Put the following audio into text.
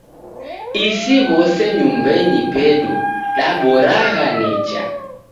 Isi w'ose nyumbenyi pedu daboragha nicha.